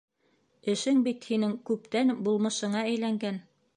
Эшең бит һинең күптән булмышыңа әйләнгән.